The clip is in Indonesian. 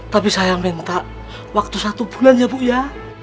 tapi saya minta waktu satu bulan ya bu ya